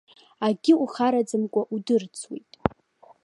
Акгьы ухараӡамкәа удырӡуеит.